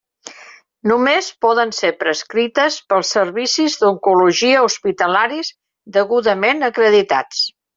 Només poden ser prescrites pels servicis d'oncologia hospitalaris degudament acreditats.